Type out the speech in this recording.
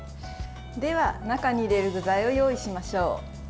では、中に入れる具材を用意しましょう。